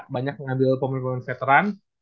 banyak mengambil pemain pemain veteran